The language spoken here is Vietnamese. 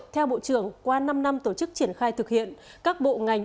theo bộ trưởng qua năm năm tổ chức triển khai thực hiện các bộ ngành